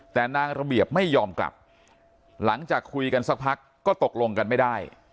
แต่นางระเบียบไม่ยอมกลับหลังจากคุยกันสักพักก็ตกลงกันไม่ได้